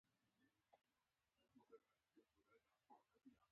وګړي د افغان کلتور په داستانونو کې په تفصیل سره راځي.